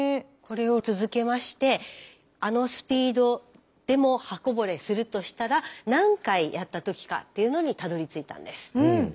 これを続けましてあのスピードでも刃こぼれするとしたら何回やった時かというのにたどりついたんです。